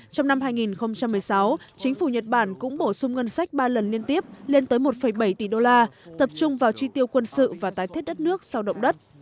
trong năm hai nghìn một mươi sáu chính phủ nhật bản cũng bổ sung ngân sách ba lần liên tiếp lên tới một bảy tỷ đô la tập trung vào chi tiêu quân sự và tái thiết đất nước sau động đất